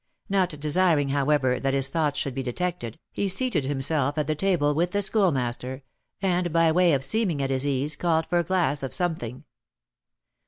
Not desiring, however, that his thoughts should be detected, he seated himself at the table with the Schoolmaster, and, by way of seeming at his ease, called for a glass of something.